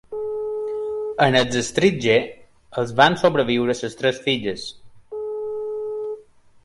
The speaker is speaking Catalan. Als Estridge els van sobreviure les tres filles.